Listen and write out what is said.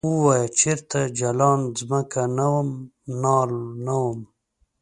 ووایه چرته جلان ځمکه نه وم نال نه وم ؟